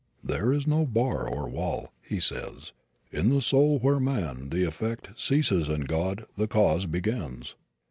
"There is no bar or wall," he says, "in the soul where man, the effect, ceases and God, the Cause, begins."